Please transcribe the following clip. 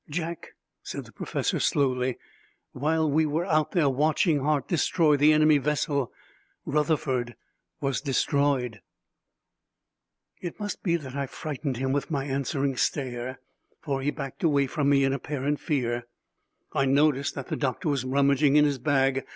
"Jack," said the professor slowly, "while we were out there watching Hart destroy the enemy vessel, Rutherford was destroyed!" It must be that I frightened him by my answering stare, for he backed away from me in apparent fear. I noticed that the doctor was rummaging in his bag.